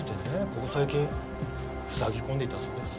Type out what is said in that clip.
ここ最近塞ぎ込んでいたそうです。